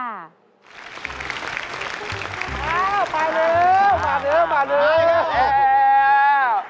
อ้าวมาเร็วมาเร็ว